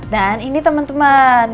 dan ini teman teman